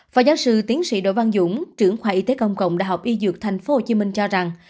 phó giáo sư tiến sĩ đỗ văn dũng trưởng khoa y tế công cộng đại học y dược tp hcm cho rằng